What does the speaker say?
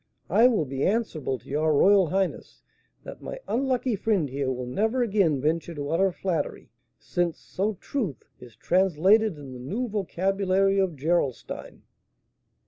I will be answerable to your royal highness that my unlucky friend here will never again venture to utter a flattery, since so truth is translated in the new vocabulary of Gerolstein."